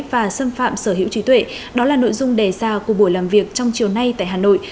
và xâm phạm sở hữu trí tuệ đó là nội dung đề ra của buổi làm việc trong chiều nay tại hà nội